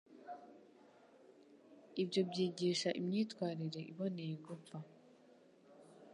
Ibyo byigisha imyitwarire iboneye gupfa.